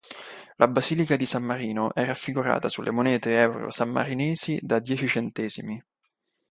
La basilica di San Marino è raffigurata sulle monete euro sammarinesi da dieci centesimi.